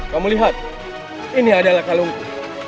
kamu lihat ini adalah kalungku